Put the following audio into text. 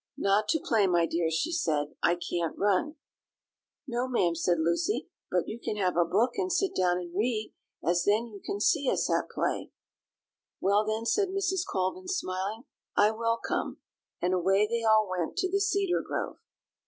"Not to play, my dears," she said; "I can't run." "No, ma'am," said Lucy; "but you can have a book and sit down and read, as then you can see us at play." "Well, then," said Mrs. Colvin, smiling, "I will come." And away they all went to the cedar grove.